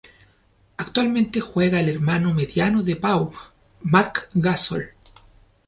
Actualmente, juega el hermano mediano de Pau, Marc Gasol.